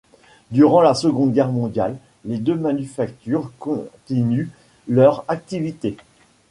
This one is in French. Durant la Seconde Guerre mondiale, les deux manufactures continuent leur activité.